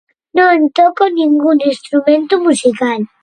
Non toco ningún instrumento musical.